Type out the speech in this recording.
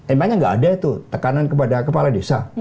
emangnya nggak ada itu tekanan kepada kepala desa